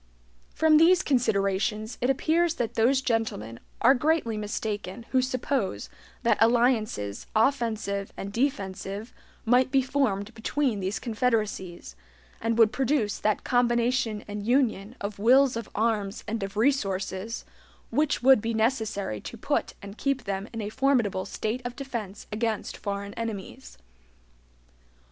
From these considerations it appears that those gentlemen are greatly mistaken who suppose that alliances offensive and defensive might be formed between these confederacies, and would produce that combination and union of wills of arms and of resources, which would be necessary to put and keep them in a formidable state of defense against foreign enemies.